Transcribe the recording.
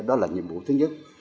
đó là nhiệm vụ thứ nhất